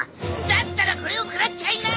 だったらこれを食らっちゃいな！